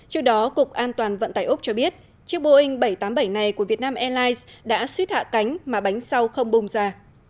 trước đó cục an toàn vận tải úc cho biết chiếc boeing bảy trăm tám mươi bảy này của việt nam airlines đã suýt hạ cánh mà bánh sau không bung ra